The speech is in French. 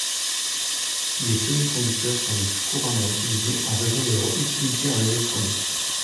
Les semi-conducteurs sont le plus couramment utilisés en raison de leur utilité en électronique.